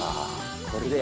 これで。